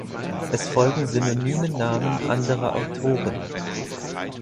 Es folgen synonyme Namen anderer Autoren.